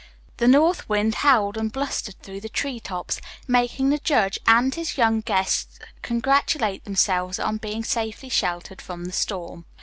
The north wind howled and blustered through the tree tops, making the judge and his young guests congratulate themselves on being safely sheltered from the storm.